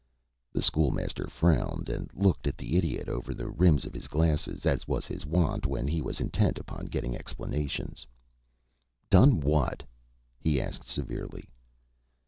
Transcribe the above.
The School Master frowned, and looked at the Idiot over the rims of his glasses, as was his wont when he was intent upon getting explanations. "Done what?" he asked, severely.